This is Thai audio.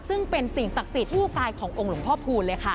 ซึ่งเป็นสิ่งศักดิ์สิทธิ์คู่กายขององค์หลวงพ่อพูนเลยค่ะ